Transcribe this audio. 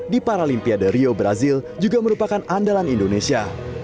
di paralimpiade rio brazil juga merupakan andalan indonesia